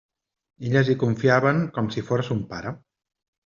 Elles hi confiaven com si fóra son pare.